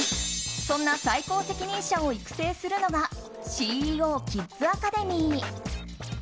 そんな最高責任者を育成するのがＣＥＯキッズアカデミー。